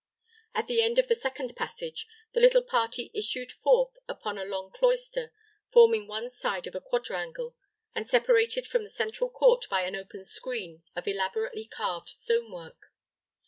At the end of the second passage, the little party issued forth upon a long cloister forming one side of a quadrangle, and separated from the central court by an open screen of elaborately carved stone work.